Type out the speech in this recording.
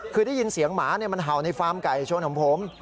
คือได้ยินเสียงหมามันเห่าในฟาร์มไก่ชนของผม